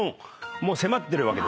もう迫ってるわけですね。